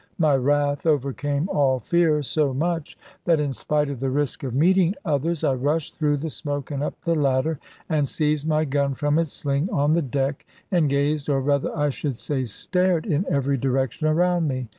My wrath overcame all fear so much, that in spite of the risk of meeting others, I rushed through the smoke and up the ladder, and seized my gun from its sling on the deck, and gazed (or rather I should say stared) in every direction around me.